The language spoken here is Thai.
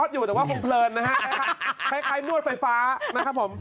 อยู่แต่ว่ามันคงเผลินนะฮะใครนวดไฟฟ้านะครับผม